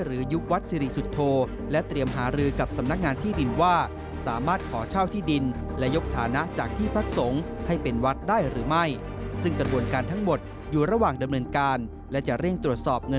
หรือยุบวัดศิริสุทธโธ